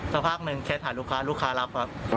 สักพักหนึ่งแชทหาลูกค้าลูกค้ารับครับ